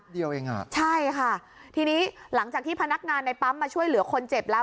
เดียวเองอ่ะใช่ค่ะทีนี้หลังจากที่พนักงานในปั๊มมาช่วยเหลือคนเจ็บแล้ว